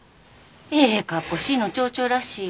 ええかっこしいの町長らしいわ。